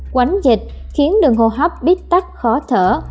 quánh dịch khiến đường hô hấp bít tắt khó thở